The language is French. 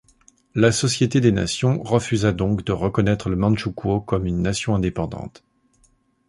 La Société des Nations refusa donc de reconnaître le Mandchoukouo comme une nation indépendante.